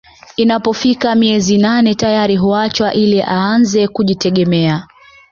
Inapofika miezi nane tayari huachwa ili aanze kujitegemea